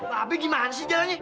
lama be gimana sih jalannya